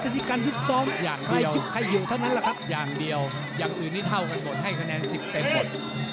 อย่างเดียวอย่างเดียวอย่างอื่นนี้เท่ากันหมดให้คะแนนสิบเต็มหมด